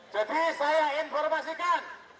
jadi saya informasikan